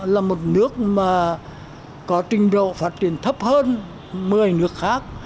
là một nước mà có trình độ phát triển thấp hơn một mươi nước khác